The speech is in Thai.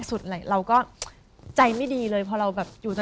คือด้วยความจะเป็นคุณยายด้วยนะ